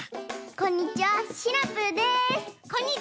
こんにちは！